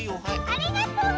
ありがとう！